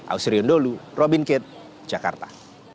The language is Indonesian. ausri undolu robin kitt jakarta